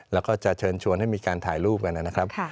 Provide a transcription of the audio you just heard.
แล้วก็จะเชิญชวนให้มีการถ่ายรูปกันนะครับ